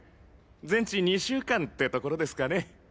全治２週間ってところですかね。